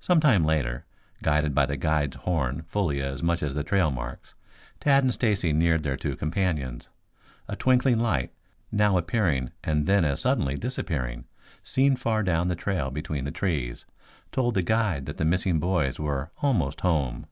Some time later, guided by the guide's horn fully as much as by the trail marks, Tad and Stacy neared their two companions. A twinkling light, now appearing and then as suddenly disappearing, seen far down the trail between the trees, told the guide that the missing boys were almost home.